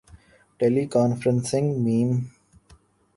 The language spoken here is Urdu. ٹیلی کانفرنسنگ م